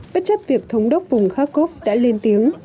bất chấp việc thống đốc vùng kharkov đã lên tiếng